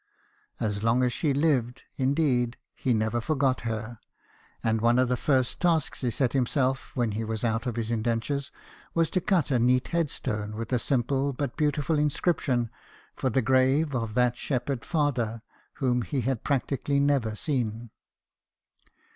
As long as she lived, indeed, he never forgot her ; and one of the first tasks he set himself when he was out of his indentures was to cut a neat headstone with a simple but beautiful inscription for the grave of that shepherd father whom he had practically never seen.